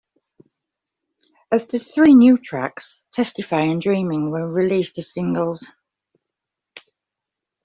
Of the three new tracks, "Testify" and "Dreaming" were released as singles.